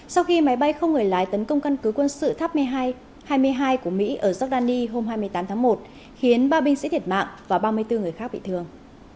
sau khi máy bay không người lái tấn công căn cứ quân sự tháp hai mươi hai của mỹ ở giordani hôm hai mươi tám tháng một khiến ba binh sĩ thiệt mạng và ba mươi bốn người khác bị thương